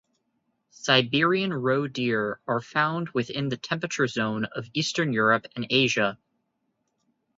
Siberian roe deer are found within the temperate zone of eastern Europe and Asia.